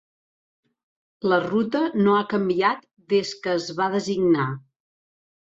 La ruta no ha canviat des que es va designar.